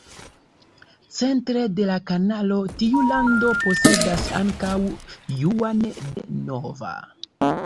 Centre de la kanalo, tiu lando posedas ankaŭ Juan de Nova.